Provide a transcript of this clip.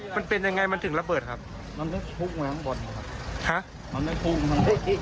มันเป็นยังไงมันถึงระเบิดครับ